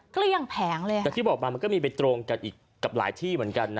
เกลี้ยงแผงเลยอ่ะแต่ที่บอกมามันก็มีไปตรงกันอีกกับหลายที่เหมือนกันนะ